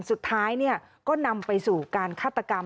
สุดท้ายก็นำไปสู่การฆาตกรรม